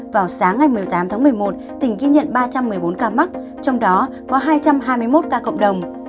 vào sáng ngày một mươi tám tháng một mươi một tỉnh ghi nhận ba trăm một mươi bốn ca mắc trong đó có hai trăm hai mươi một ca cộng đồng